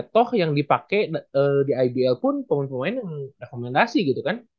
toh yang dipakai di ibl pun pemain pemain rekomendasi gitu kan